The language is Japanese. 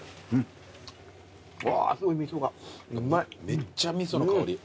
めっちゃ味噌の香り。